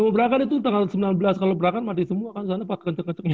nama brakan itu tanggal sembilan belas kalau brakan mati semua kan sana pak kenceng kencengnya